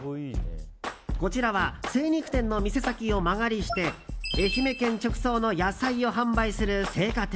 こちらは精肉店の店先を間借りして愛媛県直送の野菜を販売する青果店。